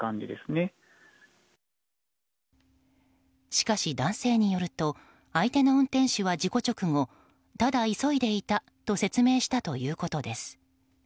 しかし、男性によると相手の運転手は事故直後、ただ急いでいたと説明したということです。